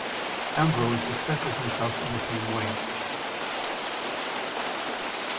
Ambrose expresses himself in the same way.